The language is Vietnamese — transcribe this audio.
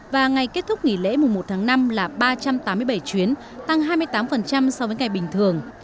và ngày kết thúc nghỉ lễ mùng một tháng năm là ba trăm tám mươi bảy chuyến tăng hai mươi tám so với ngày bình thường